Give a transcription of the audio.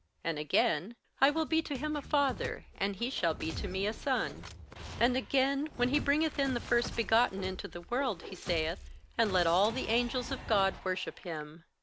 And again, I will be to him a Father, and he shall be to me a Son? 58:001:006 And again, when he bringeth in the firstbegotten into the world, he saith, And let all the angels of God worship him.